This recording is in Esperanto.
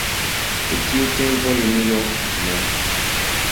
De tiu tempo linio No.